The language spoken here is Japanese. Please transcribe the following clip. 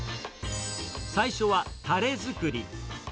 最初はたれ作り。